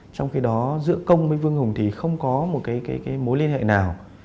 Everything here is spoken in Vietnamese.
trong khi đó giữa công với vương hùng thì không có một mối liên hệ nào